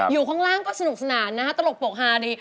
อยู่ข้างล่างก็สนุกสนานนะฮะตลกปกฮาดี